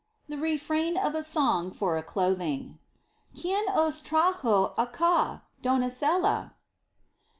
THE REFRAIN OF A SONG FOR A CLOTHING. .¿ Quién os trajo acá, doncella